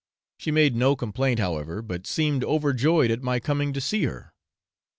She made no complaint, however, but seemed overjoyed at my coming to see her.